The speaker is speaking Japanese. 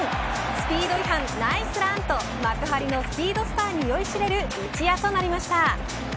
スピード違反、ナイスランと幕張のスピードスターに酔いしれる一夜となりました。